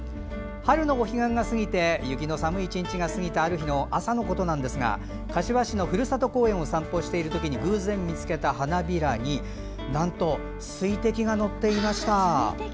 春のお彼岸が過ぎて雪の寒い１日が過ぎたある日の朝のことですが柏市のふるさと公園を散歩しているときに偶然見つけた花びらになんと水滴が乗っていました。